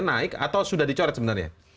naik atau sudah dicoret sebenarnya